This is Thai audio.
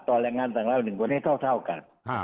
ต่อแรงงานต่างราว๑คนให้เท่ากัน